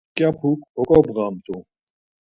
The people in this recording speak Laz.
Mǩyapuk oǩobğamt̆u.